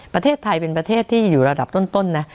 ประเทศไทยเป็นประเทศที่อยู่ระดับต้นนะ